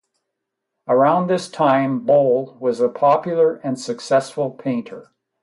Around this time, Bol was a popular and successful painter.